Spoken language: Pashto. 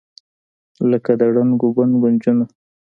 لکه د ړنګو بنګو نجونو،